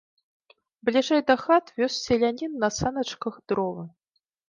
Бліжэй да хат вёз селянін на саначках дровы.